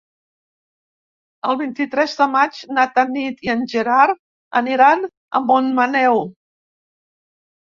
El vint-i-tres de maig na Tanit i en Gerard aniran a Montmaneu.